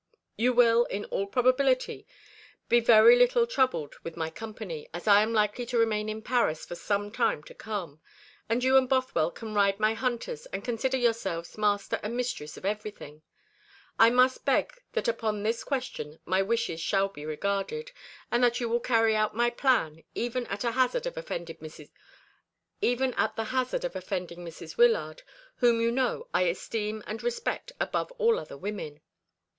You will, in all probability, be very little troubled with my company, as I am likely to remain in Paris for some time to come; and you and Bothwell can ride my hunters and consider yourselves master and mistress of everything. I must beg that upon this question my wishes shall be regarded, and that you will carry out my plan, even at the hazard of offending Mrs. Wyllard, whom you know I esteem and respect above all other women.